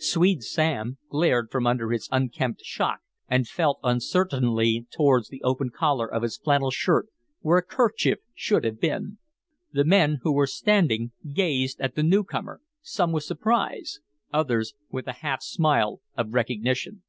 Swede Sam glared from under his unkempt shock and felt uncertainly towards the open collar of his flannel shirt where a kerchief should have been. The men who were standing gazed at the new comer, some with surprise, others with a half smile of recognition.